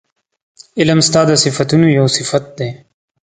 علم ستا د صفتونو یو صفت دی